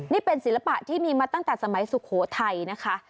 นี่เป็นศิลปะที่มีมาตั้งแต่สมัยสุโขทัยนะคะ